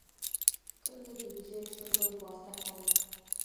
Кырӡагьы бзиа дшырбоз гәасҭахьан…